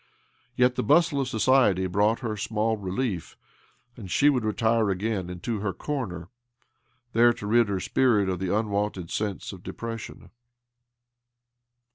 Yet the bustle of society brought her small relief, and she would retire again into her comer — there to rid her spirit of the unwonted sense of depression.